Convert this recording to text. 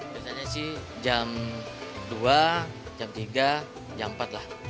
biasanya sih jam dua jam tiga jam empat lah